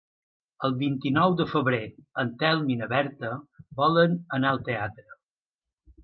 El vint-i-nou de febrer en Telm i na Berta volen anar al teatre.